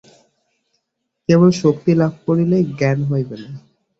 কেবল শক্তি লাভ করিলেই জ্ঞান হইবে না।